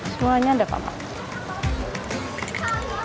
semuanya ada pak mak